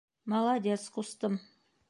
- Молодец, ҡустым!